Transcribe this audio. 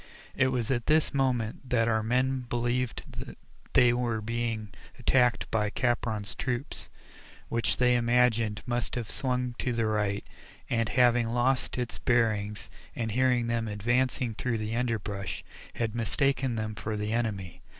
It was at this moment that our men believed they were being attacked by Capron's troop, which they imagined must have swung to the right, and having lost its bearings and hearing them advancing through the underbrush, had mistaken them for the enemy.